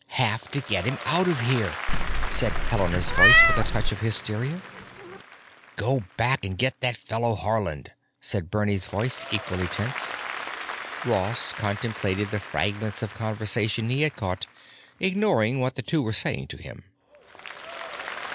"——have to get him out of here," said Helena's voice with a touch of hysteria. "——go back and get that fellow Haarland," said Bernie's voice, equally tense. Ross contemplated the fragments of conversation he had caught, ignoring what the two were saying to him.